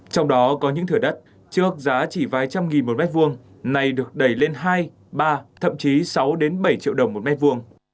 trong đó có những thửa đất trước giá chỉ vài trăm nghìn một mét vuông này được đẩy lên hai ba thậm chí sáu bảy triệu đồng một mét vuông